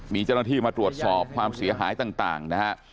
มีเจ้าหน้าที่มาตรวจสอบความเสียหายต่างนะฮะ